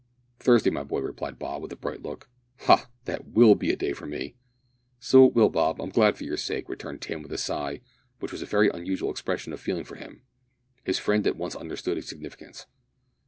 "Thursday, my boy," replied Bob, with a bright look. "Ha! that will be a day for me!" "So it will, Bob, I'm glad for your sake," returned Tim with a sigh, which was a very unusual expression of feeling for him. His friend at once understood its significance.